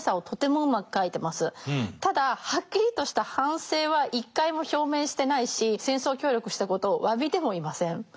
ただはっきりとした反省は一回も表明してないし戦争協力したことを詫びてもいません。